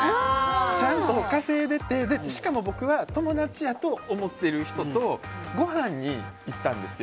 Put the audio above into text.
ちゃんと稼いでて、しかも僕は友達やと思ってる人とごはんに行ったんですよ。